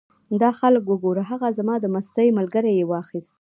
دا خلک وګوره! هغه زما د مستۍ ملګری یې واخیست.